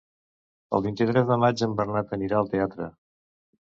El vint-i-tres de maig en Bernat anirà al teatre.